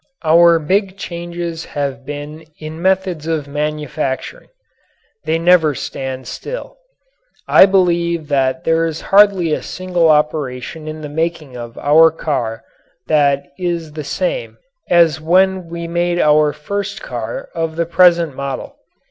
Our big changes have been in methods of manufacturing. They never stand still. I believe that there is hardly a single operation in the making of our car that is the same as when we made our first car of the present model.